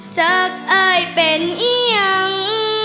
จักไอ้เป็นอย่าง